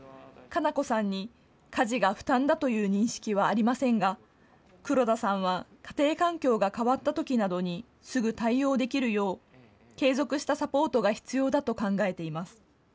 かなこさんに家事が負担だという認識はありませんが黒田さんは家庭環境が変わったときなどにすぐ対応できるよう、継続したサポートが必要だと考えています。